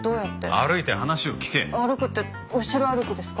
歩くって後ろ歩きですか？